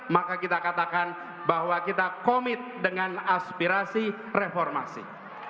maka kita katakan bahwa kita komit dengan aspirasi reformasi